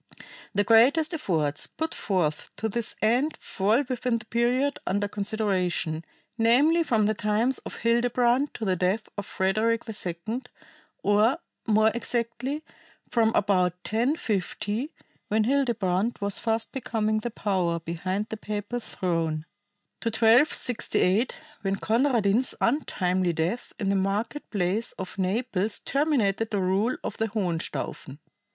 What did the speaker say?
The greatest efforts put forth to this end fall within the period under consideration, namely from the times of Hildebrand to the death of Frederick II, or, more exactly, from about 1050, when Hildebrand was fast becoming the power behind the papal throne, to 1268, when Conradin's untimely death in the market place of Naples terminated the rule of the Hohenstaufen.